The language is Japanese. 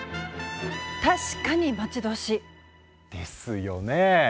確かに待ち遠しい。ですよねえ！